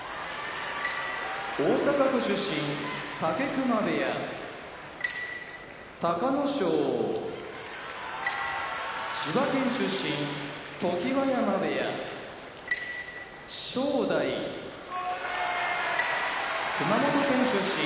大阪府出身武隈部屋隆の勝千葉県出身常盤山部屋正代熊本県出身